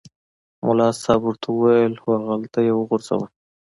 ملا صاحب ورته وویل هوغلته یې وغورځوه.